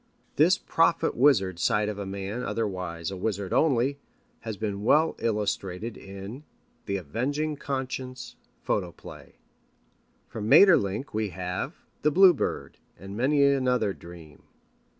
This prophet wizard side of a man otherwise a wizard only, has been well illustrated in The Avenging Conscience photoplay. From Maeterlinck we have The Bluebird and many another dream.